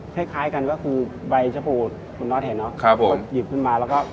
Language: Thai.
คล้ายคล้ายกันก็คือใบชะโปรดคุณนอทเห็นเนอะครับผมหยิบขึ้นมาแล้วก็